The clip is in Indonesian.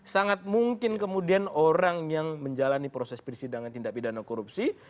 sangat mungkin kemudian orang yang menjalani proses persidangan tindak pidana korupsi